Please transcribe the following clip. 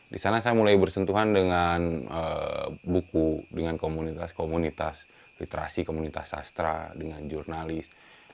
di sana saya mulai bersentuhan dengan buku dengan komunitas komunitas literasi komunitas sastra dengan jurnalis